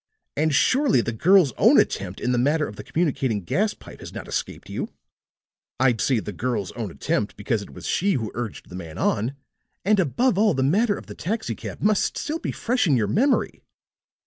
And surely the girl's own attempt in the matter of the communicating gas pipe has not escaped you! I say 'the girl's own attempt' because it was she who urged the man on. And, above all, the matter of the taxi cab must be still fresh in your memory.